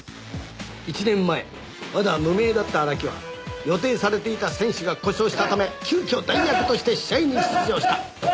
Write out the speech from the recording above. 「１年前まだ無名だった荒木は予定されていた選手が故障したため急遽代役として試合に出場した」